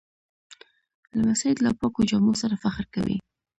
لمسی له پاکو جامو سره فخر کوي.